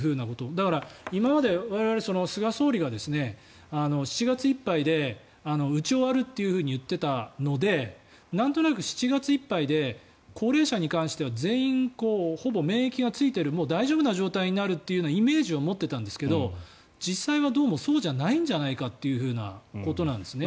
だから、今まで我々は菅総理が７月いっぱいで打ち終わると言っていたのでなんとなく７月いっぱいで高齢者に関しては全員ほぼ免疫がついているもう大丈夫な状態になるというようなイメージを持ってたんですけど実際はどうもそうじゃないんじゃないかということなんですね。